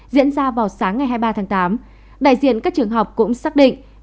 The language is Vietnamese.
diễn ra vào sáng ngày hai mươi ba tháng tám đại diện các trường học cũng xác định